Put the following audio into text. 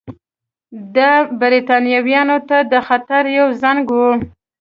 دا برېټانویانو ته د خطر یو زنګ وو.